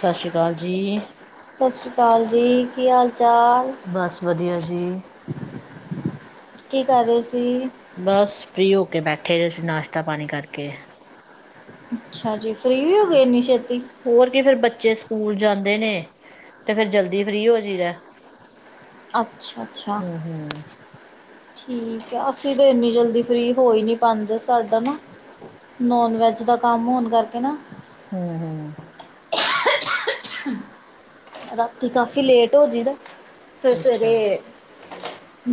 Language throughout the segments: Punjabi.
ਸਾਸੀ ਕਾਲ ਜੀ। ਸਸਰੀ ਕਾਲ ਜੀ, ਕੀ ਹਾਲ-ਚਾਲ? ਬੱਸ ਵਧੀਆ ਜੀ। ਕੀ ਕਰ ਰਏ ਸੀ? ਬੱਸ- ਫ੍ਰੀ ਹੋ ਕੇ ਬੈਠੇ ਜੇ ਨਾਸ਼ਤਾ-ਪਾਣੀ ਕਰਕੇ। ਅੱਛਾ ਜੀ। ਫ੍ਰਰੀ ਹੋਗੇ ਇੰਨੀ ਛੇਤੀ? ਹੋਰ ਕੀ ਫਿਰ ਬੱਚੇ ਸਕੂਲ ਜਾਂਦੇ ਨੇ ਤੇ ਫੇਰ ਜਲਦੀ ਫ੍ਰਰੀ ਹੋ ਜਾਈਦਾ। ਅੱਛਾ- ਅੱਛਾ। ਹੂੰ ਹੂੰ। ਠੀਕ ਐ, ਅਸੀਂ ਤਾਂ ਇੰਨੀ ਜਲਦੀ ਫ੍ਰਰੀ ਹੋਏ ਨੀ ਪਾਂਦੇ ਸਾਡਾ ਨਾ ਨੌਨ ਵੈੱਜ ਦਾ ਕੰਮ ਹੋਣ ਕਰਕੇ ਨਾ ਹੂੰ-ਹੂੰ। [unintelligible] ਰਾਤੀ ਕਾਫੀ ਲੇਟ ਓ ਜਈਦਾ। ਫਿਰ ਅੱਛਾ ਸਵੇਰੇ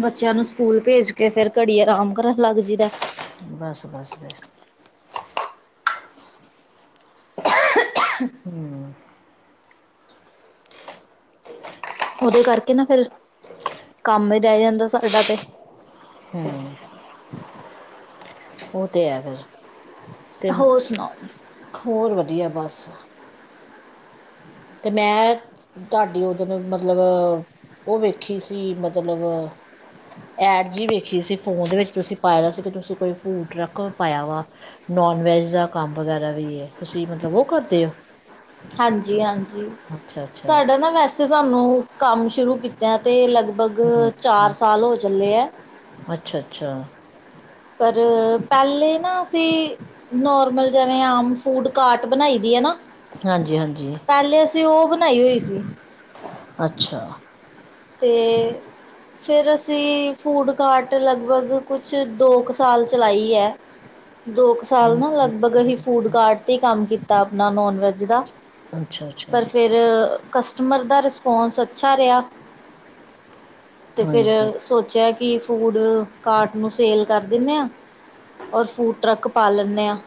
ਬੱਚਿਆਂ ਨੂੰ ਸਕੂਲ ਭੇਜ ਕੇ, ਫਿਰ ਘੜੀ ਆਰਾਮ ਕਰਨ ਲੱਗ ਜਈਦਾ ਏ। ਬਸ- ਬਸ ਫੇਰ। ਹਮ। ਉਹਦੇ ਕਰਕੇ ਨਾ ਫਿਰ, ਕੰਮ ਈ ਰਹਿ ਜਾਂਦੇ ਸਾਡਾ ਤੇ। ਹਮ। ਉਹ ਤੇ ਐ ਫਿਰ, ਤੇ ਹੋਰ ਸੁਣਾਓ ਹੋਰ ਵਧੀਆ ਬੱਸ। ਤੇ ਮੈਂ ਧਾਡੀ ਉਹ ਦਿਨ ਮਤਲਬ ਉਹ ਵੇਖੀ ਸੀ ਮਤਲਬ ਐਡ ਜੀ ਵੇਖੀ ਸੀ ਫੋਨ ਦੇ ਵਿੱਚ ਤੁਸੀਂ ਪਾਇਆ ਸੀ ਕਿ ਤੁਸੀਂ ਕੋਈ ਫੂਟ ਟਰੱਕ ਪਾਇਆ ਵਾ। ਨੌਨ-ਵੈੱਜ ਦਾ ਕੰਮ ਵਗੈਰਾ ਵੀ ਏ ਤੁਸੀਂ ਮਤਲਬ ਓ ਕਰਦੇ ਓ? ਹਾਂਜੀ-ਹਾਂਜੀ, ਅੱਛਾ ਅੱਛਾ ਸਾਡਾ ਨਾ ਵੈਸੇ ਸਾਨੂੰ ਕੰਮ ਸ਼ੁਰੂ ਕੀ ਤਾ ਤੇ ਲਗਭਗ ਚਾਰ ਸਾਲ ਹੋ ਚੱਲੇ ਐ। ਅੱਛਾ- ਅੱਛਾ। ਪਰ--ਰ ਪੇਲੇੇ ਨਾ ਅਸੀਂ ਨੌਰਮਲ ਜਿਵੇਂ ਆਮ ਫੂਟ-ਕਾਟ ਬਣਾਈ ਦੀ ਐ ਨਾ ਹਾਂਜੀ- ਹਾਂਜੀ। ਤੇ ਓ ਬਣਾਈ ਹੋਈ ਸੀ। ਅੱਛਾ। ਤੇ ਫੇਰ ਅਸੀਂ ਫੂਟ-ਕਾਟ ਲਗਭਗ ਕੁਛ ਦੋ ਕ ਸਾਲ ਚਲਾਈ ਐ। ਦੋ ਕ ਸਾਲ ਨਾ ਲਗਭਗ ਅਸੀਂ ਫੂਟ-ਕਾਟ ਤੇ ਕੰਮ ਕੀਤਾ ਆਪਣਾ ਨੋਨ ਵੈਜ ਦਾ। ਅੱਛਾ- ਅੱਛਾ। ਆ ਕਸਟਮਰ ਦਾ ਰਸਪੌਂਸ ਅੱਛਾ ਰੇਆ ਤੇ ਹਾਂਜੀ ਫੇਰ ਸੋਚੇਆ ਕੀ ਫੂਡ ਕਾਟ ਨੂੰ ਸੇਲ ਕਰ ਦਿੰਨੇ ਆ ਔਰ ਫੂਡ ਟਰੱਕ ਪਾ ਲੇਂਨੇ ਆ।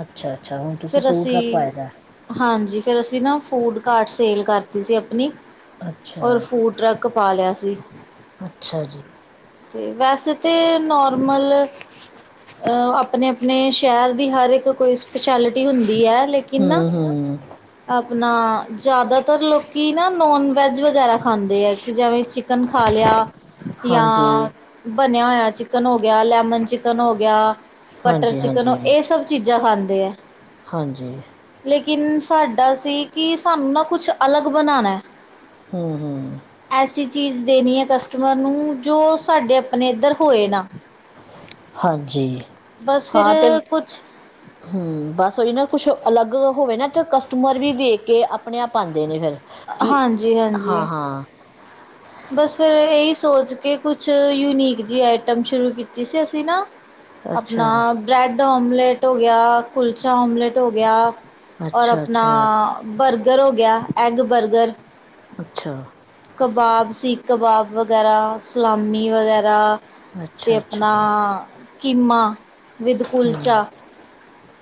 ਅੱਛਾ - ਅੱਛਾ ਹੁਣ ਤੁਸੀਂ ਫਿਰ ਫੂਟ ਅਸੀਂ ਟਰੱਕ ਪਾਇਆ ਦ। ਹਾਂਜੀ ਫਿਰ ਅਸੀਂ ਨਾ ਫੂਡ ਕਾਰਟ ਸੇਲ ਕਰਤੀ ਸੀ ਆਪਣੀ ਔਰ ਅੱਛਾ ਫੂਡ ਟਰੱਕ ਪਾ ਲੇਆ ਸੀ। ਅੱਛਾ ਜੀ। ਅਤੇ ਵੈਸੇ ਤੇ ਨੋਰਮਲ ਅ ਆਪਣੇ-ਆਪਣੇ ਸ਼ੈਰ ਦੀ ਹਰ ਇੱਕ ਕੋਈ ਸ਼ਪਸੈਲਟੀ ਹੁੰਦੀ ਆ ਲੇਕਿਨ ਹੂੰ ਨਾ -ਹੂੰ। ਆਪਣਾ ਜ਼ਿਆਦਾਤਰ ਲੋਕੀ ਨਾ ਨੋਨ ਵੈਜ ਵਗੈਰਾ ਖਾਂਦੇ ਆ ਕਿ ਜਿਵੇਂ ਚਿਕ ਚਿਕਨ ਖਾ ਲੇਆ ਹਾਂਜੀ ਜਾਂ ਬਣੇਆ ਹੋਏਆ ਚਿਕਨ ਹੋ ਗੇਆ ਲੈਮਨ ਚਿਕਨ ਹੋ ਗੇਆ ਬਟਰ ਹਾਂਜੀ ਚਿਕਨ ਹੋ ਹਾਂਜੀ ਏ ਸਭ ਚੀਜ਼ਾਂ ਖਾਂਦੇ ਐ। ਹਾਂਜੀ। ਲੇਕਿਨ ਸਾਡਾ ਸੀ ਕੀ ਸਾਨੂੰ ਨਾ ਕੁੱਛ ਅਲੱਗ ਬਣਾਨਾ। ਹੂੰ - ਹੂੰ। ਐਸੀ ਚੀਜ਼ ਦੇਣੀ ਐ ਕਸਟਮਰ ਨੂੰ ਜੋ ਸਾਡੇ ਆਪਣੇ ਏੱਧਰ ਹੋਏ ਨਾ। ਹਾਂਜੀ ਬਸ ਫਿਰ ਹਾਂ ਤੇ ਕੁਛ ਹੂੰ ਬਸ ਉਹੀ ਨਾ ਕੁਛ ਅਲੱਗ ਹੋਵੇ ਨਾ ਤੇ ਕਸਟਮਰ ਵੀ ਵੇਖ ਕੇ ਆਪਣੇ ਆਪ ਆਂਦੇ ਨੇ ਫਿਰ। ਕੀ, ਹਾਂਜੀ ਹਾਂ ਹਾਂਜੀ - ਹਾਂ। ਬਸ ਫਿਰ ਏਹੀ ਸੋਚ ਕੇ ਕੁਛ ਯੂਨੀਕ ਜੀ ਆਈਟਮ ਸ਼ੁਰੂ ਕੀਤੀ ਸੀ ਅਸੀਂ ਨਾ ਅੱਛਾ ਆਪਣਾ ਬ੍ਰੈਡ ਆਮਲੇਟ ਹੋ ਗੇਆ ਕੁਲਚਾ ਆਮਲੇਟ ਹੋ ਗੇਆ ਔਰ ਅੱਛਾ ਆਪਣਾ ਅੱਛਾ ਬਰਗਰ ਹੋ ਗੇਆ ਐੱਗ ਬਰਗਰ। ਅੱਛਾ। ਕਬਾਬ ਸੀ ਕਬਾਬ ਵਗੈਰਾ ਸਲਾਮੀ ਵਗੈਰਾ ਤੇ ਅੱਛਾ ਆਪਣਾ ਅੱਛਾ ਕੀਮਾ। ਵਿੱਦ ਹੂੰ ਕੁਲਚਾ,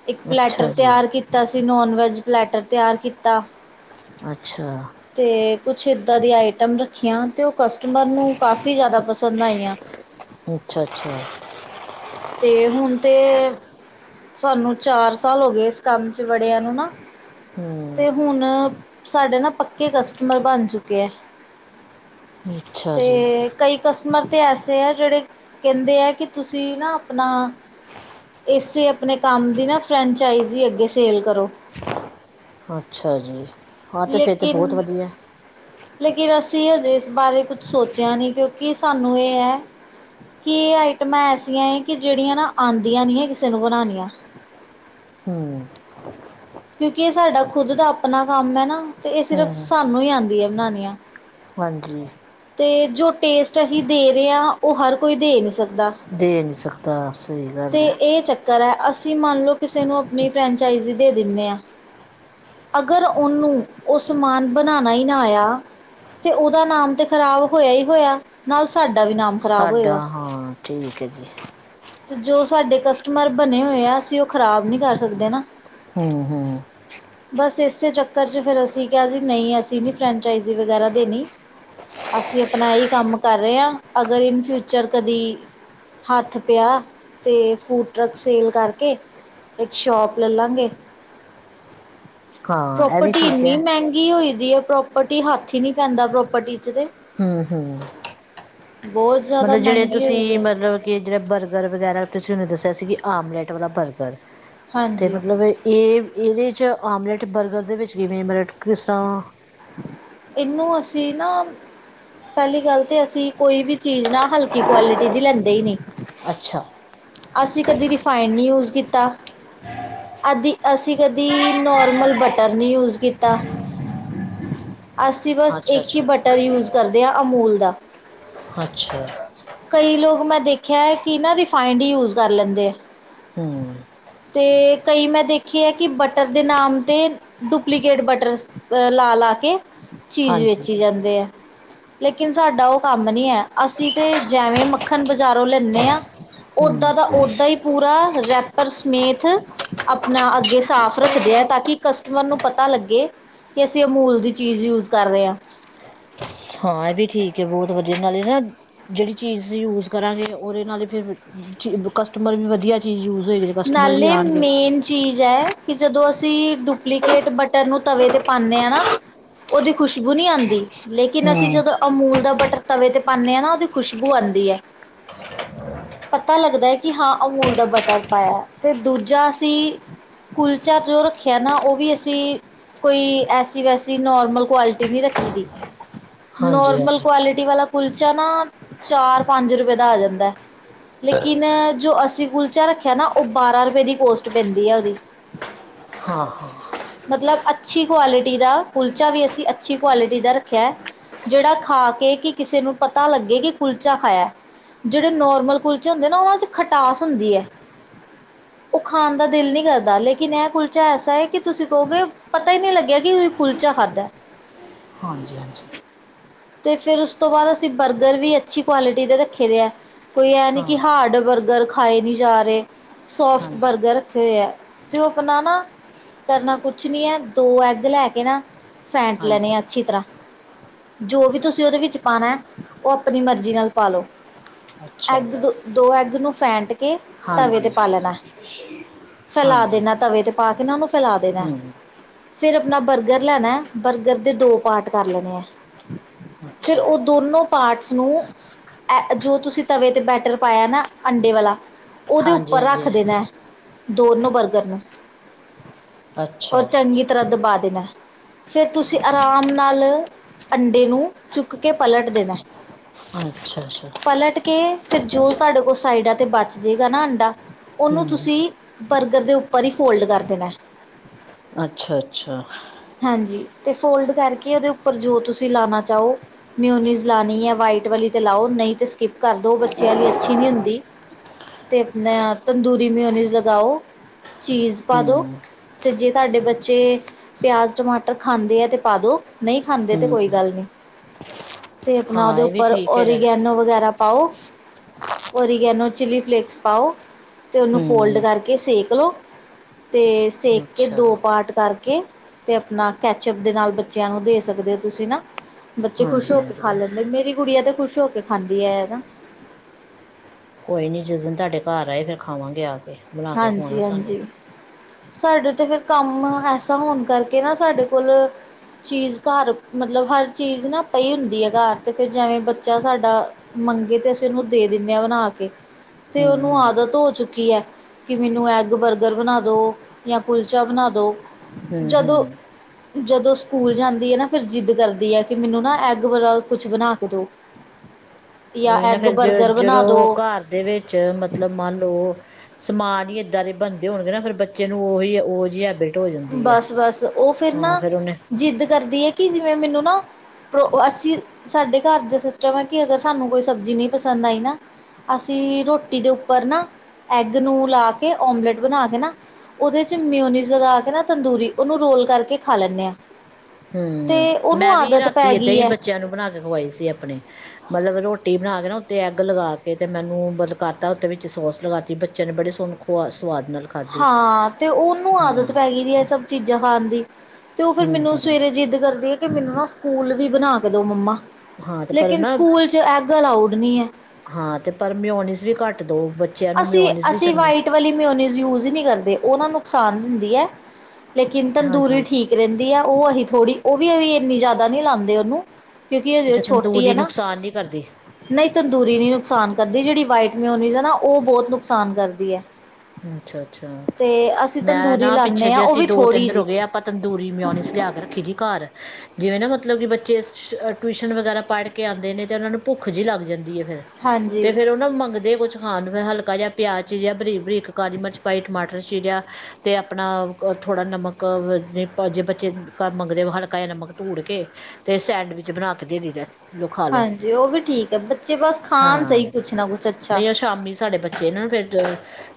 ਇੱਕ ਪਲੈਟਰ ਅੱਛਾ ਜੀ ਤਿਆਰ ਕੀ ਤਾਂ ਅਸੀਂ ਨੋਨ ਵੈਜ ਪਲੈਟਰ ਤਿਆਰ ਕੀ ਅੱਛਾ। ਤੇ ਕੁੱਛ ਏਦਾ ਦੀ ਆਈਟਮ ਰੱਖੀਆਂ ਤੇ ਓ ਕਸਟਮਰ ਨੂੰ ਕਾਫ਼ੀ ਜਾਦਾ ਪਸੰਦ ਆਈਆਂ। ਅੱਛਾ - ਅੱਛਾ। ਤੇ ਹੁਣ ਤੇ। ਸਾਨੂੰ ਚਾਰ ਸਾਲ ਹੋ ਗਏ ਏਸ ਕੰਮ 'ਚ ਬੜਿਆਂ ਨੂੰ ਨਾ। ਹੂੰ। ਤੇ ਹੁਨ ਸਾਡੇ ਨਾ ਪੱਕੇ ਕਸਟਮਰ ਬਨ ਚੁੱਕੇ ਆ। ਅੱਛਾ ਤੇ ਜੀ ਕਈ ਕਸਟਮਰ ਤੇ ਐਸੇ ਆ ਜੇੜੇ ਕਹਿੰਦੇ ਆ ਕਿ ਤੁਸੀਂ ਨਾ ਆਪਨਾ ਏਸੇ ਆਪਣੇ ਕੰਮ ਦੀ ਨਾ ਫਰੈਂਚਆਈਜ਼ੀ ਅੱਗੇ ਸੇਲ ਕਰੋ। ਅੱਛਾ ਜੀ ਹਾਂ ਤੇ ਫਿਰ ਤੇ ਲੇਕਿਨ ਬਹੁਤ ਵਧੀਆ ਲੇਕਿਨ ਅਸੀਂ ਹਜੇ ਇਸ ਬਾਰੇ ਕੁਛ ਸੋਚਿਆ ਨੀ ਕਿਉੰਕਿ ਸਾਨੂੰ ਏਹ ਐ। ਕੀ ਆਈਟਮਾਂ ਐਸੀਆਂ ਹੈ ਕਿ ਜਿਹੜੀਆਂ ਨਾ ਆਂਦੀਆਂ ਨੀ ਆ ਕਿਸੇ ਨੂੰ ਬਨਾਨੀਆਂ। ਹੂੰ। ਕਿਉਂਕਿ ਇਹ ਸਾਡਾ ਖੁੱਦ ਦਾ ਆਪਣਾ ਕੰਮ ਹੈ ਨਾ ਤੇ ਇਹ ਸਿਰਫ਼ ਹੂੰ ਸਾਨੂੰ ਹੀ ਆਂਦੀਆ ਬਨਾਨੀਆਂ। ਹਾਂਜੀ ਤੇ ਜੋ ਟੇਸਟ ਅਸੀਂ ਦੇ ਰਹੇ ਹਾਂ ਓ ਹਰ ਕੋਈ ਦੇ ਨੀ ਸਕਦਾ। ਦੇ ਨੀ ਸਰ ਦਾ ਸਈ ਗੱਲ ਐ। ਤੇ ਇਹ ਚੱਕਰ ਹੈ ਅਸੀਂ ਮੰਨ ਲਓ ਕਿਸੇ ਨੂੰ ਆਪਣੀ ਫਰੈਂਚਾਈਜੀ ਦੇ ਦਿੰਨੇ ਆ। ਅਗਰ ਓਨੂੰ ਉਹ ਸਮਾਨ ਬਨਾਨਾ ਈ ਨਾ ਆਇਆ। ਤੇ ਓਦਾ ਨਾਮ ਤੇ ਖ਼ਰਾਬ ਹੋਇਆ ਹੀ ਹੋਇਆ ਨਾਲ ਸਾਡਾ ਵੀ ਨਾਮ ਖ਼ਰਾਬ ਸਾਡਾ ਹੋਏਗਾ। ਹਾਂ ਠੀਕ ਹੈ ਜੀ। ਤੇ ਜੋ ਸਾਡੇ ਕਸਟਮਰ ਬਨੇ ਹੋਏ ਆ ਅਸੀਂ ਓਹ ਖ਼ਰਾਬ ਨੀ ਕਰ ਸਕਦੇ ਨਾ। ਹੂੰ-ਹੂੰ ਬਸ ਏਸੇ ਚੱਕਰ ਚ ਫਿਰ ਅਸੀ ਕਿਹਾ ਸੀ ਨਈ ਅਸੀਂ ਨੀ ਫਰੈਂਚਾਈਜੀ ਵਗੈਰਾ ਦੇਨੀ। ਅਸੀਂ ਆਪਨਾ ਇਹਹੀ ਕੰਮ ਕਰ ਰਹੇ ਆ, ਅਗਰ ਇਨ ਫਿਊਚਰ ਕਦੀ ਹੱਥ ਪਿਆ। ਤੇ ਫੂਡ ਟਰੱਕ ਸੇਲ ਕਰਕੇ ਇੱਕ ਸ਼ੋਪ ਲੈਲਾਂਗੇ। [inaudible] ਹਾਂ ਇਹ ਵੀ ਪ੍ਰੋਪਰਟੀ ਠੀਕ ਇੰਨੀ ਹੈ ਮਹਿੰਗੀ ਹੋਈ ਦੀ ਐ, ਪ੍ਰੋਪਰਟੀ ਹੱਥ ਹੀ ਨੀ ਪੈਂਦਾ ਪ੍ਰੋਪਰਟੀ ਚ ਤੇ ਹਮ ਹਮ ਬਹੁਤ ਜ਼ਿਆਦਾ ਮਤਲਬ ਜੇੜੇ ਮਹਿੰਗੀ ਤੁਸੀਂ ਹੋਈ ਹੈ ਮਤਲਬ ਕਿ ਜੇੜਾ ਬਰਗਰ ਵਗੈਰਾ ਤੁਸੀਂ ਹੁਨੇ ਦੱਸਿਆ ਸੀ ਆਮਲੇਟ ਵਾਲਾ ਬਰਗਰ। ਤੇ ਹਾਂਜੀ ਮਤਲਬ ਇਹ ਇਹਦੇ 'ਚ ਆਮਲੇਟ ਬਰਗਰ ਦੇ ਵਿੱਚ ਕਿਵੇਂ ਬਲਟ ਕਿਸਰਾਂ ਇਹਨੂੰ ਅਸੀਂ ਨਾ ਪਹਿਲੀ ਗੱਲ ਤੇ ਅਸੀਂ ਕੋਈ ਵੀ ਚੀਜ਼ ਨਾ ਹਲਕੀ ਕੁਆਲਿਟੀ ਦੀ ਲੈਂਦੇ ਈ ਨਈ ਅੱਛਾ - ਅਸੀਂ ਕਦੀ ਰਿਫਾਈਡ ਨੀ ਯੂਜ ਕੀਤਾ। ਅਦੀ ਅਸੀਂ ਕਦੀ ਨੋਰਮਲ ਬਟਰ ਨੀ ਯੂਜ ਕੀਤਾ। ਅਸੀਂ ਬਸ ਅੱਛਾ ਏਕ ਹੀ ਅੱਛਾ ਬਟਰ ਯੂਜ ਕਰਦੇ ਆ ਅਮੂਲ ਦਾ ਅੱਛਾ ਕਈ ਲੋਕ ਮੈਂ ਦੇਖਿਆ ਹੈ ਕਿ ਨਾ ਰਿਫਾਈੰਡ ਹੀ ਯੂਜ ਕਰ ਲੈਂਦੇ ਆ। ਹਮ ਤੇ ਕਈ ਮੈਂ ਦੇਖੇ ਹੈ ਕਿ ਬਟਰ ਦੇ ਨਾਮ 'ਤੇ ਡੁਪਲੀਕੇਟ ਬਟਰ ਅ ਲਾ ਲਾ ਕੇ ਚੀਜ਼ ਹਾਂਜੀ ਵੇਚੀ ਜਾਂਦੇ ਹੈ ਲੇਕਿਨ ਸਾਡਾ ਉਹ ਕੰਮ ਨੀ ਐ। ਅਸੀਂ ਤੇ ਜੇਵੇ ਮੱਖਣ ਬਜ਼ਾਰੋ ਲੈਨੇ ਆ ਓਦਾਂ ਹੂੰ ਦਾ ਓਦਾਂ ਈ ਪੂਰਾ ਰੈਪਰ ਸਮੇਤ ਅਪਨਾ ਅੱਗੇ ਸਾਫ਼ ਰੱਖਦੇ ਆ ਤਾਂ ਕਿ ਕਸ ਟਮਰ ਨੂੰ ਪਤਾ ਲੱਗੇ ਕਿ ਅਸੀਂ ਅਮੂਲ ਦੀ ਚੀਜ਼ ਯੂਜ ਕਰ ਰਏ ਆ। ਹਾਂ ਐ ਵੀ ਠੀਕ ਏ ਬੋਤ ਵਧੀਆ ਨਾਲੇ ਨਾ ਜੇੜੀ ਚੀਜ਼ ਯੂਜ ਕਰਾਂਗੇ ਉਦੇ ਨਾਲ ਹੀ ਫਿਰ ਕਸਟਮਰ ਵੀ ਵਧੀਆ ਚੀਜ਼ ਯੂਜ ਹੋਏਗੀ ਕਸਟਮਰ ਵੀ ਨਾਲੇ ਆਣਗੇ। ਮੇਨ ਚੀਜ਼ ਐ ਕਿ ਅਸੀਂ ਡੁਪਲੀਕੇਟ ਬਟਰ ਨੂੰ ਤਵੇ ਤੇ ਪਾਨੇ ਆ ਨਾ ਓਦੀ ਖੁਸ਼ਬੂ ਨੀ ਆਂਦੀ ਲੇਕਿਨ ਹੂੰ ਅਸੀਂ ਜਦੋਂ ਅਮੂਲ ਦਾ ਬਟਰ ਤਵੇ ਤੇ ਪਾਨੇ ਆ ਨਾ ਓਦੀ ਖੁਸ਼ਬੂ ਆਂਦੀ ਐ। ਪਤਾ ਲੱਗਦਾ ਕਿ ਹਾਂ ਅਮੂਲ ਦਾ ਬਟਰ ਪਾਇਆ ਤੇ ਦੂਜਾ ਅਸੀ ਕੁਲਚਾ ਜੋ ਰੱਖਿਆ ਨਾ ਉਹ ਵੀ ਅਸੀਂ ਕੋਈ ਐਸੀ ਵੈਸੀ ਨੋਰਮਲ ਕੁਆਲਿਟੀ ਨੀ ਰੱਖੀ ਦੀ। ਹਾਂਜੀ ਨੋਰਮਲ ਹਾਂਜੀ ਕੁਆਲਿਟੀ ਵਾਲਾ ਕੁਲਚਾ ਨਾ ਚਾਰ-ਪੰਜ ਰੁਪਏ ਦਾ ਆ ਜਾਂਦਾ। ਲੇਕਿਨ ਜੋ ਅਸੀਂ ਕੁਲਚਾ ਰੱਖ ਖਿਆ ਨਾ ਓ ਬਾਰਾਂ ਰੁਪਏ ਦੀ ਕੋਸਟ ਪੈਂਦੀ ਐ ਓਦੀ। ਹਾਂ-ਹਾਂ ਮਤਲਬ ਅੱਛੀ ਕੁਆਲਿਟੀ ਦਾ ਕੁਲਚਾ ਵੀ ਅਸੀਂ ਅੱਛੀ ਕੁਆਲਟੀ ਦਾ ਰੱਖਿਆ। ਜੇੜਾ ਖਾ ਕੇ ਕਿ ਕਿਸੇ ਨੂੰ ਪਤਾ ਲੱਗੇ ਕਿ ਕੁਲਚਾ ਖਾਇਆ। ਜੇੜੇ ਨੋਰਮਲ ਕੁਲਚੇ ਹੁੰਦੇ ਨਾ ਉਨਾਂ ਚ ਖਟਾਸ ਹੁੰਦੀ ਐ। ਉਹ ਖਾਣ ਦਾ ਦਿਲ ਨੀ ਕਰਦਾ ਲੇਕਿਨ ਇਹ ਕੁਲਚਾ ਐਸਾ ਏ ਕਿ ਤੁਸੀਂ ਕਹੋਗੇ ਪਤਾ ਈ ਨੀ ਲੱਗਿਆ ਕਿ ਕੁਲਚਾ ਖਾਧਾ। ਹਾਂਜੀ-ਹਾਂਜੀ। ਤੇ ਫਿਰ ਉਸ ਤੋਂ ਬਾਦ ਅਸੀਂ ਬਰਗਰ ਵੀ ਅੱਛੀ ਕੁਆਲਿਟੀ ਦੇ ਰੱਖੇ ਦੇ ਐ। ਕੋਈ ਐ ਨੀ ਹਾਂ ਕਿ ਹਾਡ ਬਰਗਰ ਖਾਏ ਨੀ ਜਾ ਰੇ ਸੋਫਟ ਹਾਂਜੀ ਬਰਗਰ ਰੱਖੇ ਹੋਏ ਐ ਤੇ ਉਹ ਅਪਣਾ ਨਾ ਕਰਨਾ ਕੁਛ ਨੀ ਐ ਦੋ ਐਗ ਲੈ ਕੇ ਨਾ ਫੈਂਟ ਲੈਣੇ ਹਾਂਜੀ ਆ ਅੱਛੀ ਤਰਾ। ਜੋ ਵੀ ਤੁਸੀਂ ਉਦੇ ਵਿੱਚ ਪਾਣਾ ਉਹ ਆਪਣੀ ਮਰਜ਼ੀ ਨਾਲ ਪਾ ਲੋ। ਅੱਛਾ ਐਗ ਜੀ, ਦੂ ਦੋ ਐੱਗ ਨੂੰ ਫੈਂਟ ਕੇ ਤਵੇ ਤੇ ਪਾ ਹਾਂਜੀ ਲੈਣਾ। ਫੈਲਾ ਹਾਂਜੀ ਦੇਣਾ ਤਵੇ ਤੇ ਪਾ ਕੇ ਨਾ ਉਨੂੰ ਫੈਲਾ ਦੇਣਾ। ਹੂੰ ਫੇਰ ਆਪਣਾ ਬਰਗਰ ਲੈਣਾ ਬਰਗਰ ਦੇ ਦੋ ਪਾਟ ਕਰ ਲੈਣੇ ਐ। ਫਿਰ ਅੱਛਾ ਓ ਦੋਨੋਂ ਪਾਰਟਸ ਨੂੰ ਐ ਜੋ ਤੁਸੀਂ ਤਵੇ ਤੇ ਬੈਟਰ ਪਾਇਆ ਨਾ ਅੰਡੇ ਵਾਲਾ ਉਦੇ ਹਾਂਜੀ ਉੱਪਰ ਰੱਖ ਹਾਂਜੀ ਦੇਣਾ ਦੋਨੋਂ ਬਰਗਰ ਨੂੰ। ਅੱਛਾ ਔਰ ਚੰਗੀ ਤਰਾ ਦਬਾ ਦੇਣਾ। ਫੇਰ ਤੁਸੀਂ ਆਰਾਮ ਨਾਲ ਅੰਡੇ ਨੂੰ ਚੁੱਕ ਕੇ ਪਲਟ ਦੇਣਾ। [unintelligible] ਪਲਟ ਕੇ ਫੇਰ ਜੋ ਸਾਡੇ ਕੋਲ ਸਾਈਡਾਂ ਤੇ ਬਚ ਜੇਗਾ ਨਾ ਅੰਡਾ ਉਨੂੰ ਹੂੰ ਤੁਸੀਂ ਬਰਗਰ ਦੇ ਉੱਪਰ ਈ ਫੋਲਡ ਕਰ ਦੇਣਾ। ਅੱਛਾ-ਅੱਛਾ। ਹਾਂਜੀ ਤੇ ਫੋਲਡ ਕਰਕੇ ਉਦੇ ਉੱਪਰ ਜੋ ਤੁਸੀਂ ਲਾਣਾ ਚਾਓ ਮਿਓਨੀਜ਼ ਲਾਣੀ ਐ ਵਾਈਟ ਵਾਲੀ ਲਾਓ ਨੀ ਤੇ ਸਕਿਪ ਕਰ ਦੋ ਬੱਚਿਆਂ ਲਈ ਅੱਛੀ ਨੀ ਹੁੰਦੀ। ਤੇ ਆਪਣਾ ਤੰਦੂਰੀ ਮਿਓਨੀਜ਼ ਲਗਾਓ ਚੀਜ਼ ਪਾ ਦੋ ਹੂੰ ਤੇ ਜੇ ਤਾਡੇ ਬੱਚੇ ਪਿਆਜ਼, ਟਮਾਟਰ ਖਾਂਦੇ ਆ ਤੇ ਪਾ ਦੋ ਨਈ ਖਾਂਦੇ ਤੇ ਕੋਈ ਹੂੰ ਗੱਲ ਨੀ। ਤੇ ਆਪਣਾ ਹਾਂ ਉਦੇ ਇਹ ਵੀ ਉਪਰ ਠੀਕ ਹੈਗਾ ਓਰੀਗੈਨੋ ਵਗੈਰਾ ਪਾਓ ਓਰੀਗੈਨੋ ਚਿੱਲੀ ਫਲੀਕਸ ਪਾਓ ਤੇ ਉਹਨੂੰ ਫੋਲਡ ਹੂੰ ਕਰਕੇ ਸੇਕ ਲਓ ਤੇ ਸੇਕ ਕੇ ਅੱਛਾ ਦੋ ਪਾਟ ਕਰ ਕੇ ਤੇ ਆਪਣਾ ਕੈਚਅਪ ਦੇ ਨਾਲ਼ ਬੱਚਿਆਂ ਨੂੰ ਦੇ ਸਕਦੇ ਹੋ ਤੁਸੀਂ ਨਾ ਬੱਚੇ ਖੁਸ਼ ਹੋ ਹਾਂਜੀ ਕੇ ਖਾ ਹਾਂਜੀ ਲੈਂਦੇ ਮੇਰੀ ਗੁੜੀਆ ਤੇ ਖੁਸ਼ ਹੋ ਕੇ ਖਾਂਦੀ ਹੈ ਨਾ। ਕੋਈ ਨ੍ਹੀਂ ਜਿਸ ਦਿਨ ਤੁਹਾਡੇ ਘਰ ਆਏ ਫਿਰ ਖਾਵਾਂਗੇ ਆ ਕੇ। ਬਣਾ ਕੇ ਖਵਾਉਣਾ ਹਾਂਜੀ ਸਾਨੂੰ ਹਾਂਜੀ। ਸਾਡੇ ਤੇ ਫੇਰ ਕੰਮ ਐਸਾ ਹੋਣ ਕਰਕੇ ਨਾ ਸਾਡੇ ਕੋਲ ਚੀਜ਼ ਘਰ ਮਤਲਬ ਹਰ ਚੀਜ਼ ਨਾ ਪਈ ਹੁੰਦੀ ਆ ਘਰ ਤੇ ਫਿਰ ਜਿਵੇਂ ਬੱਚਾ ਸਾਡਾ ਮੰਗੇ ਤੇ ਅਸੀਂ ਉਹਨੂੰ ਦੇ ਦੇਣੇ ਆ ਬਣਾ ਕੇ ਤੇ ਹੂੰ ਉਹਨੂੰ ਹੂੰ ਆਦਤ ਹੋ ਚੁੱਕੀ ਐ। ਕਿ ਮੈਨੂੰ ਐਗ ਬਰਗਰ ਬਣਾ ਦੋ ਜਾਂ ਕੁਲਚਾ ਬਣਾ ਦੋ, ਹੂੰ ਜਦੋਂ ਹੂੰ ਜਦੋਂ ਸਕੂਲ ਜਾਂਦੀ ਏ ਨਾ ਫੇਰ ਜ਼ਿੱਦ ਕਰਦੀ ਆ ਕਿ ਮੈਨੂੰ ਨਾ ਐਗ ਵਾਲਾ ਕੁਛ ਬਣਾ ਕੇ ਦੋ ਯਾ ਐਗ ਬਰਗਰ ਬਣਾ ਦੋ ਉਹਦੇ ਚ ਐ ਮਤਲਬ ਮੰਨ ਲਓ ਸਮਾਨ ਈ ਏਦਾਂ ਦੇ ਬਣਦੇ ਹੋਣਗੇ ਨਾ ਫੇ਼ਰ ਬੱਚੇ ਨੂੰ ਉਹੀ ਉਹ ਜੀ ਹੈਬੀਟ ਬਸ ਬਸ ਉਹ ਫੇਰ ਨਾ ਉਹਨੇ ਜ਼ਿੱਦ ਕਰਦੀ ਆ ਕਿ ਜਿਵੇਂ ਮੈਨੂੰ ਨਾ ਤੋਂ ਅਸੀਂ ਸਾਡੇ ਘਰ ਦਾ ਸਿਸਟਮ ਐ ਕਿ ਅਗਰ ਸਾਨੂੰ ਕੋਈ ਸਬਜ਼ੀ ਨੀ ਪਸੰਦ ਆਈ ਨਾ ਅਸੀਂ ਰੋਟੀ ਦੇ ਉੱਪਰ ਨਾ ਐਗ ਨੂੰ ਲਾ ਕੇ ਓਮਲੇਟ ਬਣਾ ਕੇ ਨਾ ਉਹਦੇ ਚ ਮੇਓਨੀਜ਼ ਲਗਾ ਕੇ ਨਾ ਤੰਦੂਰੀ ਉਹਨੂੰ ਰੋਲ ਕਰਕੇ ਖਾ ਲੈਂਣੇ ਆ। ਹੂੰ ਮੈਂ ਵੀ ਰਾਤੀਂ ਏਦਾਂ ਈ ਹੈ ਬੱਚਿਆਂ ਨੂੰ ਬਣਾ ਕੇ ਖਵਾਈ ਸੀ ਆਪਣੇ ਮਲਬ ਰੋਟੀ ਬਣਾ ਕੇ ਨਾ ਉੱਤੇ ਐੱਗ ਲਵਾ ਕੇ ਤੇ ਮੈਨੂੰ ਮਲਬ ਕਰਤਾ ਉਹਦੇ ਵਿੱਚ ਸੋਸ ਲਵਾ ਤੀ ਬੱਚਿਆਂ ਨੇ ਬੜੇ ਸੋਹਣੇ ਆ ਸਵਾਦ ਨਾਲ਼ ਹਾਂ ਤੇ ਉਹਨੂੰ ਆਦਤ ਪੈ ਗਈ ਐ ਇਹ ਸਭ ਚੀਜ਼ਾਂ ਖਾਣ ਦੀ ਤੇ ਉਹ ਫਿਰ ਹਮ ਮੈਨੂੰ ਹਮ ਸਵੇਰੇ ਜਿੱਦ ਕਰਦੀ ਆ ਕਿ ਮੈਨੂੰ ਨਾ ਸਕੂਲ ਵੀ ਬਣਾ ਕੇ ਦੋ ਮੰਮਾ। ਹਾਂ ਤੇ ਪਰ ਲੇਕਿਨ ਨਾ ਸਕੂਲ 'ਚ ਐਗ ਅਲਾਊਡ ਨੀ ਐ। ਹਾਂ ਤੇ ਪਰ ਮਿਉਨਿਸ ਵੀ ਘੱਟ ਦਾਓ ਬੱਚਿਆਂ ਨੂੰ ਮਿਓਨਿਸ ਵੀ ਚੰਗੀ ਓ ਵਾਲੀ ਮਿਓਨੀਜ਼ ਯੂਜ ਹੀ ਨੀ ਕਰਦੇ ਉਹ ਨਾ ਨੁਕਸਾਨ ਹੁੰਦੀ ਏ ਲੇਕਿੰਨ ਤੰਦੂਰੀ ਹਾਂਜੀ ਠੀ ਕ ਰਹਿੰਦੀ ਹੈ ਉਹ ਹਜੇ ਥੋੜੀ ਉਹ ਵੀ ਅਸੀਂ ਇੰਨੀ ਜ਼ਿਆਦਾ ਨੀ ਲਾਦੇ ਉਹਨੂੰ। ਕਿਉਂਕਿ ਹਜੇ ਉਹ ਅੱਛਾ ਛੋਟੀ ਐ ਤੰਦੂਰੀ ਨਾ। ਨੁਕਸਾਨ ਨਹੀਂ ਕਰਦੀ ਨਈ ਤੰਦੂਰੀ ਨੀ ਨੁਕਸਾਨ ਕਰਦੀ ਜਿਹੜੀ ਵਾਈਟ ਮਿਓਨੀਜ਼ ਨਾ ਉਹ ਬਹੁਤ ਨੁਕਸਾਨ ਕਰਦੀ ਐ। ਅੱਛਾ-ਅੱਛਾ ਮੈਂ ਤੰਦੂਰੀ ਨਾ ਪਿੱਛੇ ਲਾਉਂਦੇ ਹਾਂ ਜੇ ਉਹ ਅਸੀਂ ਵੀ ਦੋ-ਤਿੰਨ ਥੋੜ੍ਹੀ ਦਿਨ ਹੋ ਜਿਹੀ ਗਏ ਆਪਾ ਤੰਦੂਰੀ ਮਿਉਨਿਜ਼ ਲਿਆ ਕੇ ਰੱਖੀਦੀ ਘਰ ਜਿਵੇਂ ਨਾ ਮਤਲਬ ਕਿ ਬੱਚੇ ਟਿਊਸ਼ਨ ਵਗੈਰਾ ਪੜ੍ਹ ਕੇ ਆਉਂਦੇ ਨੇ ਤੇ ਉਹਨਾਂ ਨੂੰ ਭੁੱਖ ਜਿਹੀ ਲੱਗ ਜਾਂਦੀ ਫਿਰ ਹਾਂਜੀ ਤੇ ਫੇਰ ਉਹਨਾ ਮੰਗਦੇ ਕੁਛ ਖਾਣ ਨੂੰ ਫਿਰ ਹਲਕਾ ਜਿਹਾ ਪਿਆਜ ਚੀਰਿਆ ਬਰੀਕ-ਬਰੀਕ ਕਾਲੀ ਮਿਰਚ ਪਾਈ, ਟਮਾਟਰ ਚੀਰਿਆ ਤੇ ਆਪਣਾ ਓ ਥੋੜ੍ਹਾ ਨਮਕ ਜੇ ਬੱਚੇ ਕ ਮੰਗਦੇ ਹਲਕਾ ਜਿਹਾ ਨਮਕ ਧੂੜ ਕੇ ਤੇ ਸੈਂਡਵਿਚ ਬਣਾ ਕੇ ਦੇ ਦਈ ਦੈ। ਹਾਂਜੀ ਉਹ ਵੀ ਠੀਕ ਐ, ਬੱਚੇ ਬਸ ਖਾਣ ਹਾਂ ਸਹੀ ਕੁਛ ਨਾ ਕੁਛ ਅੱਛਾ। ਨਹੀਂ ਉਹ ਸ਼ਾਮੀ ਸਾਡੇ ਬੱਚੇ ਨਾ ਫਿਰ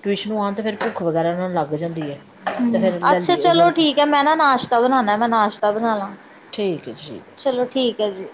ਟਿਊਸ਼ਨੋ ਨੂੰ ਆਉਣ ਤਾਂ ਫਿਰ ਭੁੱਖ ਵਗੈਰਾ ਉਹਨਾਂ ਨੂੰ ਲੱਗ ਜਾਂਦੀ ਐ। ਹੂੰ ਅੱਛਾ ਚਲੋ ਠੀਕ ਐ, ਮੈਂ ਨਾ ਨਾਸ਼ਤਾ ਬਣਾਣਾ ਮੈਂ ਨਾਸ਼ਤਾ ਬਣਾ ਲਾ। ਠੀਕ ਹੈ ਜੀ ਠੀਕ ਚਲੋ ਠੀਕ ਐ ਜੀ।